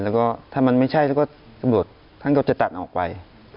แล้วก็ถ้ามันไม่ใช่แล้วก็ตำรวจท่านก็จะตัดออกไป